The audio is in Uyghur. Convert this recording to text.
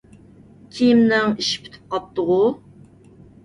كىيىمنىڭ ئىشى پۈتۈپ قاپتۇغۇ!